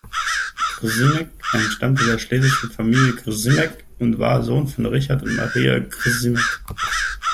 Grzimek entstammte der schlesischen Familie Grzimek und war Sohn von Richard und Maria Grzimek.